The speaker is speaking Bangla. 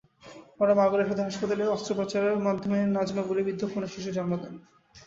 পরে মাগুরা সদর হাসপাতালে অস্ত্রোপচারের মাধ্যমে নাজমা গুলিবিদ্ধ কন্যাশিশুর জন্ম দেন।